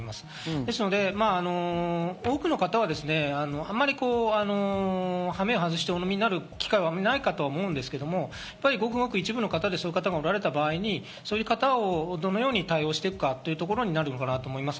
ですので、多くの方はあまり羽目を外してお飲みになる機会はあまりないかと思いますが、ごくごく一部の方でそういう方がおられた場合、そういう方をどのように対応していくかということになると思います。